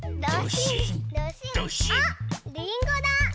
あっりんごだ！